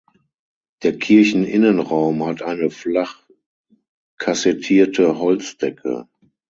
Der Kircheninnenraum hat eine flach kassettierte Holzdecke.